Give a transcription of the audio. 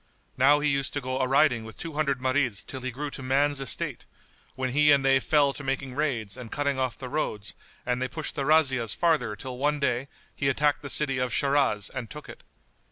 Now he used to go a riding with two hundred Marids till he grew to man's estate, when he and they fell to making raids and cutting off the roads and they pushed their razzias farther till one day he attacked the city of Shiraz and took it.